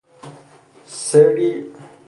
سری مملو از پرسش